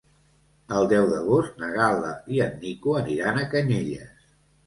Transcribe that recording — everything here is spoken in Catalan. El deu d'agost na Gal·la i en Nico aniran a Canyelles.